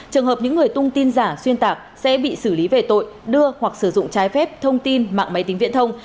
trường hợp những người tung tin giả xuyên tạc sẽ bị xử lý về tội đưa hoặc sử dụng trái phép thông tin mạng máy tính viễn thông